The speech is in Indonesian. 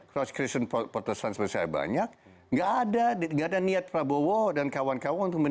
cross christian protestant saya banyak enggak ada di enggak ada niat prabowo dan kawan kawan